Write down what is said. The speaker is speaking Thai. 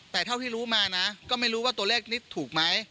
แต่เท่าที่รู้มานะก็ไม่รู้ว่าตัวเลขนี้ถูกไหม